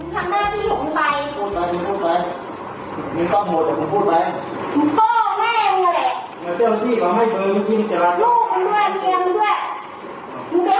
ซึ่งเป็นเรื่องเกี่ยวกับชาชนเเหรอ